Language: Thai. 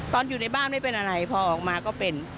ตอนอยู่ในบ้านไม่เป็นอะไรพอออกมาก็เป็น